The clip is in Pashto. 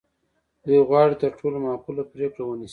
دوی غواړي تر ټولو معقوله پرېکړه ونیسي.